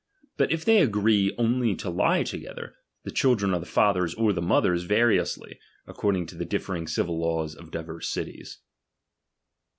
But if they agree only to lie together, the children are thefather's or the mother^s variously, according to the differing civil laws of divers cities.